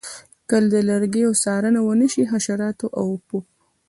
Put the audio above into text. که د لرګیو څارنه ونشي د حشراتو او پوپ